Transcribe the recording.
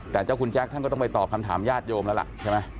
แต่เจ้าคุณแจ๊คท่านก็ต้องไปตอบคำถามญาติโยมแล้วล่ะใช่ไหม